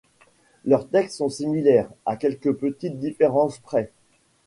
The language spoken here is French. Leurs textes sont similaires, à quelques petites différences près.